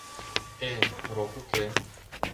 — Э, рок уке.